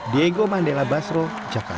diego mandela basro jakarta